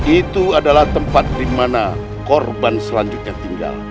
itu adalah tempat dimana korban selanjutnya tinggal